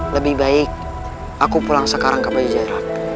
lebih baik aku pulang sekarang ke bajaira